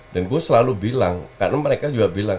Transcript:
dan saya selalu bilang karena mereka juga bilang